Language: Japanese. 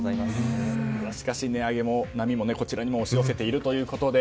しかし、値上げの波もこちらにも押し寄せているということで。